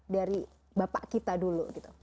dari bapak kita dulu